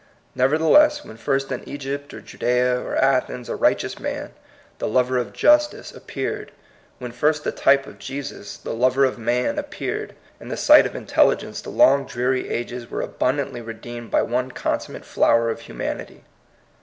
Nevertheless, when first in Egypt or Judea or Athens a righteous man, the lover of justice, ap peared, when first the type of Jesus, the lover of man, appeared, in the sight of in telligence the long dreary ages were abun dantly redeemed by one consummate flower of humanity.